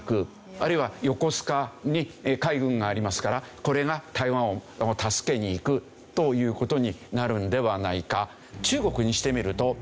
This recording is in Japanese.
あるいは横須賀に海軍がありますからこれが台湾を助けに行くという事になるんではないか。